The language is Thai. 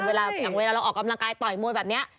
เวลาอย่างเวลาเราออกกำลังกายต่อยมวยแบบนี้